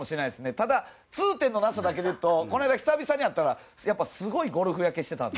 ただ、痛点のなさだけだとこの間、久々に会ったらすごいゴルフ焼けしてたんで。